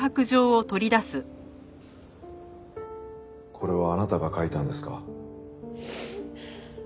これはあなたが書いたんですか？